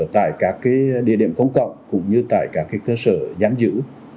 tại các cái địa điểm công cộng cũng như tại các cái cơ sở giám giữ